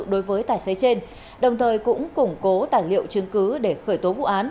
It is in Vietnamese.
đối với tài xế trên đồng thời cũng củng cố tài liệu chứng cứ để khởi tố vụ án